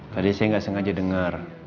tadi saya gak sengaja denger